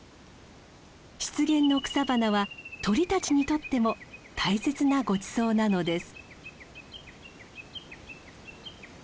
湿原の草花は鳥たちにとっても大切なごちそうなのです。